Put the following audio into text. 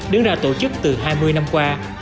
đứng ra tổ chức từ hai mươi năm qua